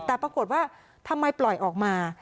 แต่ปรากฏว่าทำไมปล่อยออกมา